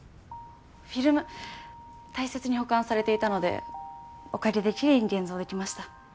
フィルム大切に保管されていたのでおかげできれいに現像できました。